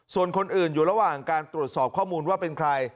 ส่วนคนอื่นอยู่ระหว่างการตรวจสอบข้อมูลว่าเป็นใคร